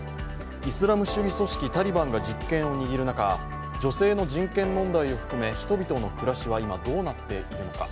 イスラム主義組織タリバンが実権を握る中、女性の人権問題を含め人々の暮らしは今どうなっているのか。